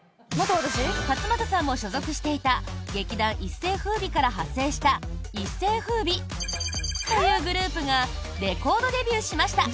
勝俣さんも所属していた劇男一世風靡から派生した一世風靡○○○というグループがレコードデビューしました。